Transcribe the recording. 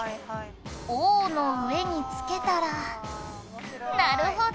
「“王”の上につけたらなるほど！